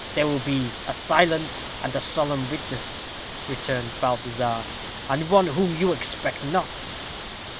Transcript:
"There will be a silent and a solemn witness," returned Balthazar, "and one whom you expect not."